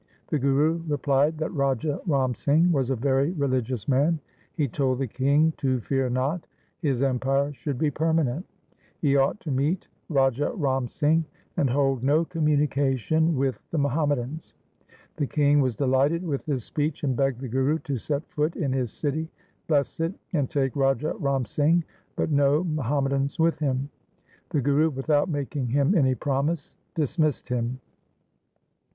The Guru replied that Raja Ram Singh was a very religious man. He told the king to fear not ; his empire should be permanent ; he ought to meet Raja Ram Singh, and hold no communication with the Muhammadans. The king was delighted with this speech, and begged the Guru to set foot in his city, bless it, and take Raja Ram Singh, but no Muhammadans with him. The Guru without making him any promise dismissed him.